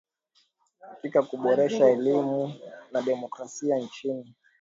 katika kuboresha elimu na demokrasia nchini